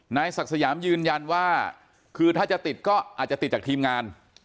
นายศักดิ์สยามยืนยันว่าคือถ้าจะติดก็อาจจะติดจากทีมงาน